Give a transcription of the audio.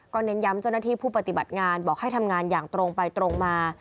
เน้นย้ำเจ้าหน้าที่ผู้ปฏิบัติงานบอกให้ทำงานอย่างตรงไปตรงมา